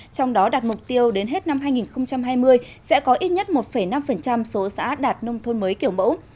trong đó đạt mục tiêu đến hết năm hai nghìn hai mươi sẽ có ít nhất một năm số xã đạt nông thôn mới kiểu mẫu